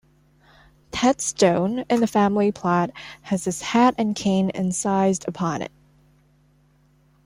Ted's stone, in the family plot, has his hat and cane incised upon it.